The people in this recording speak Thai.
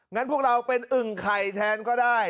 งั้นพวกเราเป็นอึ่งไข่แทนก็ได้